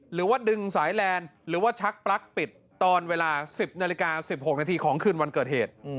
หรือว่าดึงสายแลนด์หรือว่าชักปลั๊กปิดตอนเวลา๑๐นาฬิกา๑๖นาทีของคืนวันเกิดเหตุ